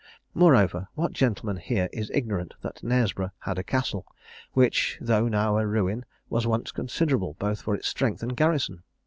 "Moreover, what gentleman here is ignorant that Knaresborough had a castle, which, though now a ruin, was once considerable both for its strength and garrison?